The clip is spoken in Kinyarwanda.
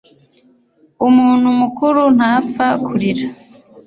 umuntu mukuru ntapfa kurira